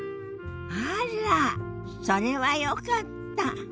あらっそれはよかった。